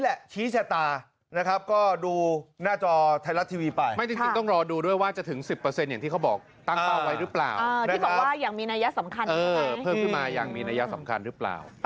ว่าจะถึง๑๐อย่างที่เขาบอกตั้งตาไว้หรือเปล่า